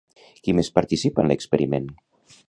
Qui més participa en l'experiment?